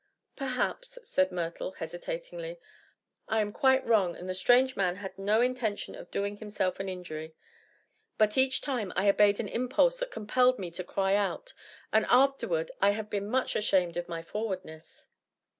"Perhaps," said Myrtle, hesitatingly, "I am quite wrong, and the strange man had no intention of doing himself an injury. But each time I obeyed an impulse that compelled me to cry out; and afterward I have been much ashamed of my forwardness."